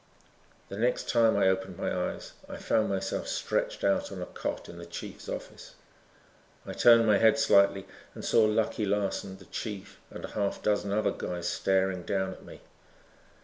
The next time I opened my eyes I found myself stretched out on a cot in the chief's office. I turned my head slightly and saw Lucky Larson, the chief and a half dozen other guys staring down at me.